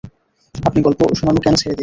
আপনি গল্প শুনানো কেন ছেড়ে দিয়েছেন?